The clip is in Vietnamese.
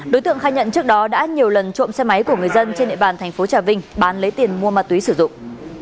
đối tượng khai nhận trước đó đã nhiều lần trộm xe máy của người dân trên địa bàn thành phố trà vinh bán lấy tiền mua ma túy sử dụng